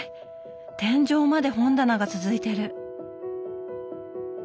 天井まで本棚が続いてる！